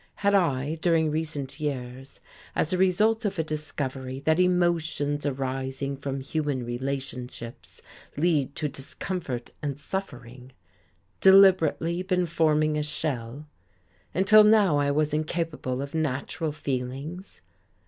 Had I, during recent years, as a result of a discovery that emotions arising from human relationships lead to discomfort and suffering, deliberately been forming a shell, until now I was incapable of natural feelings?